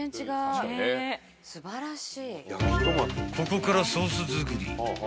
［ここからソース作り］